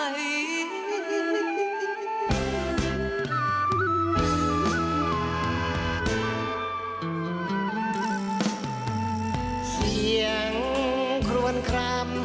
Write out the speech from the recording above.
แม้ทำใจเอาไว้ล่วงหน้าถึงเวลากลั่นน้ำตาไม่ไหว